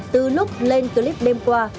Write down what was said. từ lúc lên clip đêm qua